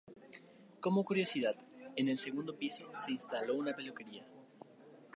Como curiosidad, en el segundo piso se instaló una peluquería.